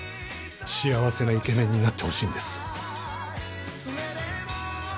幸せなイケメンになってほしいんです。